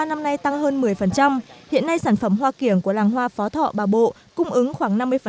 cung ứng đang hơn một mươi hiện nay sản phẩm hoa kiểng của làng hoa phó thọ bà bộ cung ứng khoảng